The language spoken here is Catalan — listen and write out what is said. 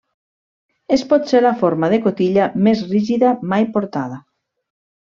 És potser la forma de cotilla més rígida mai portada.